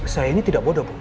saya ini tidak bodoh bu